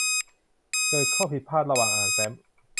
เกิดข้อผิดพลาดระหว่างอ่านแฟ้ม